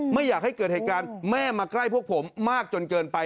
ไม่อยากให้เกิดเหตุการณ์แม่มาใกล้พวกผมมากจนเกินไป